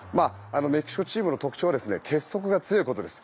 メキシコチームの特徴は結束が強いことです。